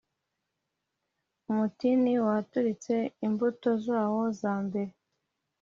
Umutini waturitse imbuto zawo za mbere,